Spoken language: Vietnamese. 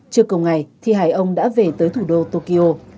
trước cùng ngày thi hài ông đã về tới thủ đô tokyo